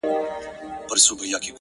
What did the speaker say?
هغه مي سايلينټ سوي زړه ته؛